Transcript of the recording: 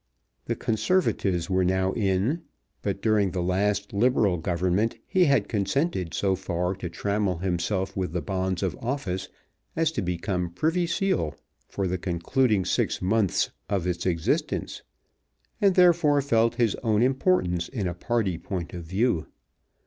The Conservatives were now in; but during the last Liberal Government he had consented so far to trammel himself with the bonds of office as to become Privy Seal for the concluding six months of its existence, and therefore felt his own importance in a party point of view.